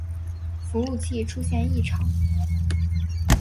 服务器出现异常